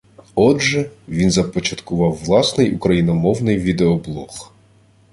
Отже, він започаткував власний, україномовний відеоблог